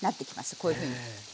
こういうふうに。